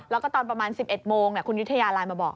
แล้วก็ตอนประมาณ๑๑โมงคุณยุธยาไลน์มาบอก